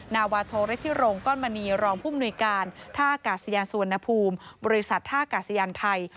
นาวาโทฤงก้อนมณีรองผู้มนุยการท่ากาศยานสุวรรณภูมิบริษัทท่ากาศยานไทย